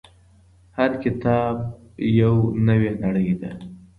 هر کتاب یو نوې نړۍ ده.